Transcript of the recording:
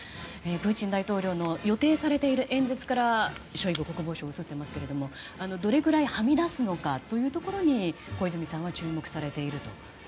プーチン大統領の予定されている演説からショイグ国防相が映っていましたがどれくらいはみ出すのかというところに小泉さんは注目されていると。